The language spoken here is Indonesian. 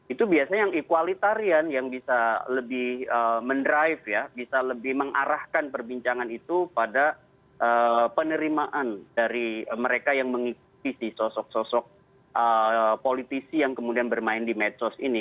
itu biasanya yang equalitarian yang bisa lebih mendrive ya bisa lebih mengarahkan perbincangan itu pada penerimaan dari mereka yang mengikuti si sosok sosok politisi yang kemudian bermain di medsos ini